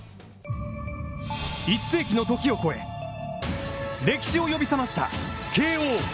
一世紀の時を超え歴史を呼び覚ました慶応。